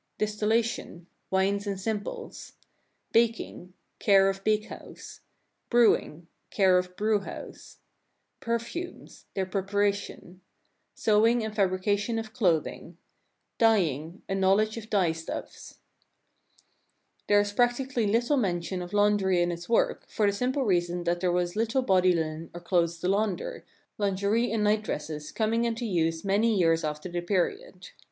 Distillation — wines and simples Baking — care of bake house Brewing — care of breiu house Perfumes — their preparation Sewing and fabrication of clothing Dyeing — a knoivledge of dye stuffs There is practically little mention of laundry and its work, for the simple reason that there was little body linen or clothes to launder, lingerie and night dresses coming into use many years after the period.